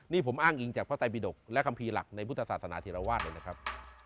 นี่ผมอ้างอิงจากพระไตบิดกและคัมภีร์หลักในพุทธศาสนาธิรวาสเลยนะครับ